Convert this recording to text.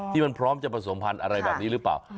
ที่มันพร้อมจะผสมพันธุ์อะไรแบบนี้หรือเปล่า